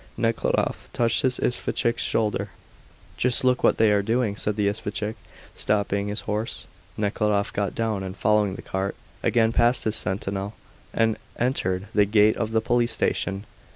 Nekhludoff touched his isvostchik's shoulder. "Just look what they are doing," said the isvostchik, stopping his horse. Nekhludoff got down and, following the cart, again passed the sentinel and entered the gate of the police station.